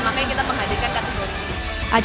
makanya kita penghadirkan ke tempat ini